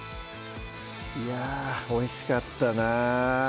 いやぁおいしかったな